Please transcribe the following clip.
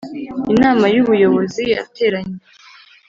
Inama y Ubuyobozi yateranye